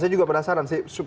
saya juga penasaran sih